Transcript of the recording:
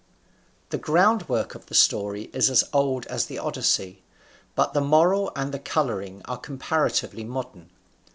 The groundwork of the story is as old as the Odyssey, but the moral and the coloring are comparatively modern.